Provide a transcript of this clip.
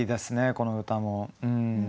この歌も。